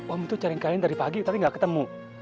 om tuh cari kalian dari pagi tadi gak ketemu